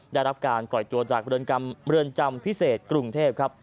ได้รับการปล่อยตัวจากเรือนจำพิเศษกรุงเทพครับ